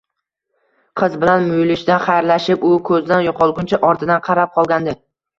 Qiz bilan muyulishda xayrlashib, u ko`zdan yo`qolguncha ortidan qarab qolgandi